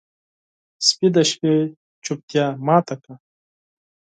سپي د شپې چوپتیا ماته کړه.